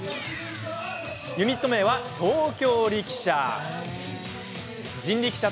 ユニット名は東京力車。